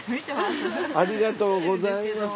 ありがとうございます。